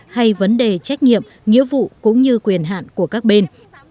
hay vấn đề trách nhiệm nghĩa vụ cũng như quyền hạn của các bên